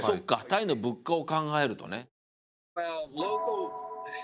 タイの物価を考えるとね。